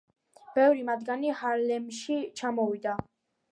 ბევრი მათგანი ჰარლემში ჩამოვიდა.